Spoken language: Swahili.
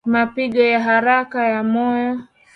Mapigo ya haraka ya moyo